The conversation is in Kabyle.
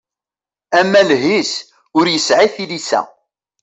Amaleh-is ur yesɛi tilisa.